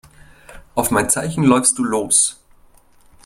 Auf mein Zeichen läufst du los.